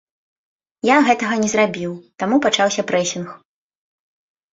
Я гэтага не зрабіў, таму пачаўся прэсінг.